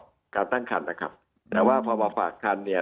การตั้งคันนะครับแต่ว่าพอมาฝากคันเนี่ย